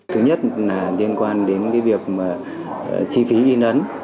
thứ nhất là liên quan đến cái việc chi phí in ấn